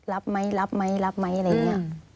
รับไหมรับไหมอะไรอย่างเงี้ย